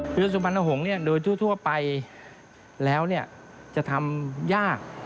ภายใบสุมรรณหงดังที่ทั่วไปแล้วจะทำยาก